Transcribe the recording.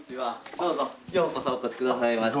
どうぞようこそお越しくださいました。